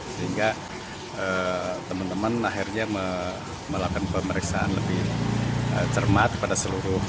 sehingga teman teman akhirnya melakukan pemeriksaan lebih cermat pada seluruh